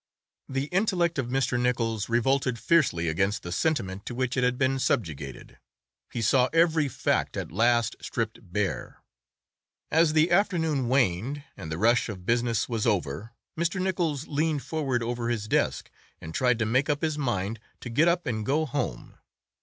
The intellect of Mr. Nichols revolted fiercely against the sentiment to which it had been subjugated; he saw every fact at last stripped bare. As the afternoon waned and the rush of business was over, Mr. Nichols leaned forward over his desk and tried to make up his mind to get up and go home.